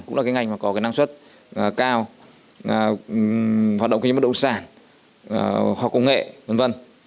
cũng là cái ngành mà có năng suất cao hoạt động kinh nghiệm bất động sản khoa công nghệ v v